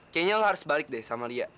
kayaknya lo harus balik deh sama lia